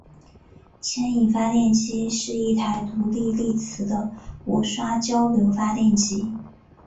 牵引发电机是一台独立励磁的无刷交流发电机。